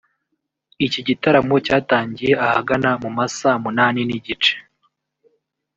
Iki gitaramo cyatangiye ahagana mu ma saa munani n’igice